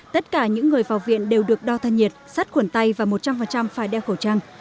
tất cả những người vào viện đều được đo thân nhiệt sắt khuẩn tay và một trăm linh phải đeo khẩu trang